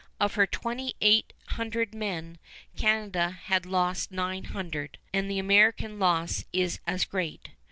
Of her twenty eight hundred men Canada had lost nine hundred; and the American loss is as great.